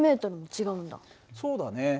そうだね。